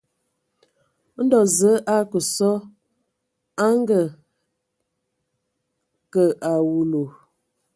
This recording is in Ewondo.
Ndo Zəə a akə sɔ a a ngakǝ a awulu.